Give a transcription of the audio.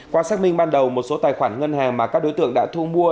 qua xác minh ban đầu một số tài khoản ngân hàng mà các đối tượng đã thu mua